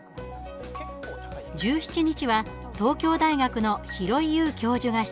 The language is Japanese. １７日は東京大学の廣井悠教授が出演。